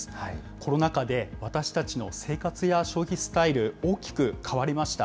コロナ禍で私たちの生活や消費スタイル、大きく変わりました。